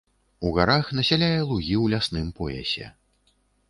У гарах насяляе лугі ў лясным поясе.